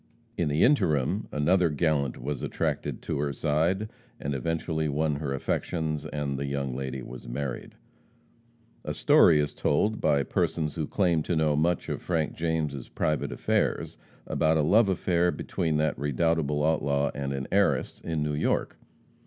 In the interim, another gallant was attracted to her side, and eventually won her affections, and the young lady was married. A story is told, by persons who claim to know much of Frank James' private affairs, about a love affair between that redoubtable outlaw and an heiress in New York.